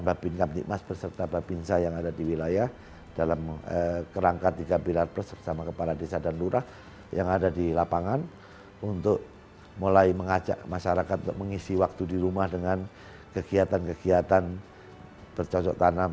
bagi penanganan covid sembilan belas yang ada di seluruh indonesia